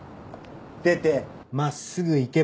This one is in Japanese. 出て真っすぐ行けば駅。